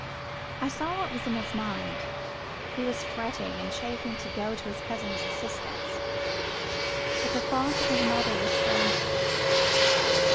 "I saw what was in his mind. He was fretting and chafing to go to his cousin's assistance; but the thought of his mother restrained him.